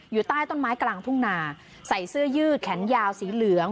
อยู่ใต้ต้นไม้กลางทุ่งนาใส่เสื้อยืดแขนยาวสีเหลือง